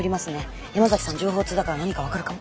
情報通だから何か分かるかも。